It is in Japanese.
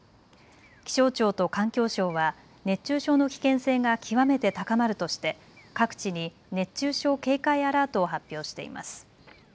気象庁と環境省は熱中症の危険性が極めて高まるとして各地に熱中症警戒アラートを発表しています。